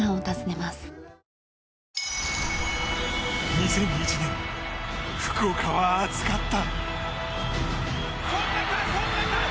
２００１年、福岡は熱かった。